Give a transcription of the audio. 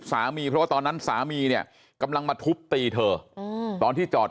สามีเพราะว่าตอนนั้นสามีเนี่ยกำลังมาทุบตีเธอตอนที่จอด